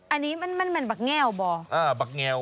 อันนี้มันแบบแงวหรออ่าแบบแงว